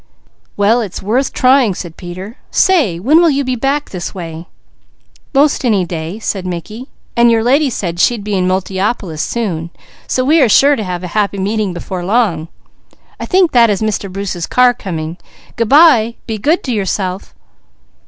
"Well it's worth trying," said Peter. "Say, when will you be this way again?" "'Most any day," said Mickey. "And your lady said she'd be in Multiopolis soon, so we are sure to have a happy meeting before long. I think that is Mr. Bruce's car coming. Goodbye! Be good to yourself!"